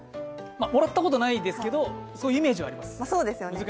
もらったことないですけどそういうイメージはあります。